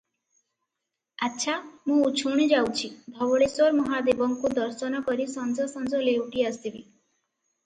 ଆଚ୍ଛା, ମୁଁ ଉଛୁଣି ଯାଉଛି, ଧବଳେଶ୍ଵର ମହାଦେବଙ୍କୁ ଦର୍ଶନ କରି ସଞ୍ଜ ସଞ୍ଜ ଲେଉଟି ଆସିବି ।